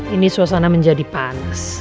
ini suasana menjadi panas